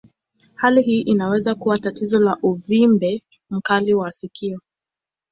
Hali hii inaweza kuwa tatizo la uvimbe mkali wa sikio.